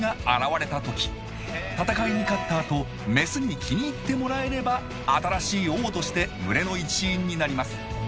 戦いに勝ったあとメスに気に入ってもらえれば新しい王として群れの一員になります。